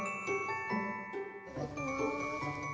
いただきます。